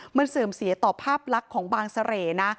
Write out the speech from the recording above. มันเสื่อมเสียต่อภาพลักษณ์ของบางเสร่นะ